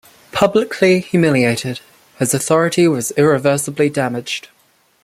Publicly humiliated, his authority was irreversibly damaged.